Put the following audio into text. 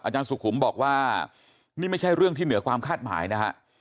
สุขุมบอกว่านี่ไม่ใช่เรื่องที่เหนือความคาดหมายนะฮะ